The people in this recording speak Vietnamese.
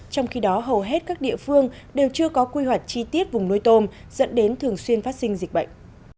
trong khi đó hầu hết các địa phương đều chưa có quy hoạch chi tiết vùng nuôi tôm dẫn đến thường xuyên phát sinh dịch bệnh